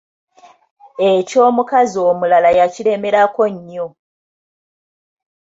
Eky'omukazi omulala yakiremerako nnyo.